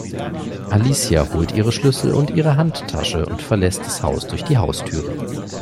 Alicia holt ihre Schlüssel und ihre Handtasche und verlässt das Haus durch die Haustüre.